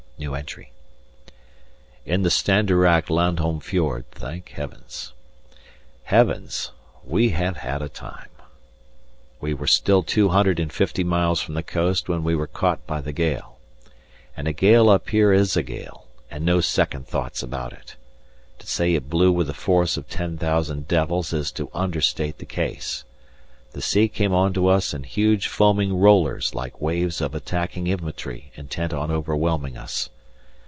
In the Standarak Landholm Fjord thank heavens. Heavens! we have had a time. We were still two hundred and fifty miles from the coast when we were caught by the gale. And a gale up here is a gale, and no second thoughts about it. To say it blew with the force of ten thousand devils is to understate the case. The sea came on to us in huge foaming rollers like waves of attacking infantry intent on overwhelming us.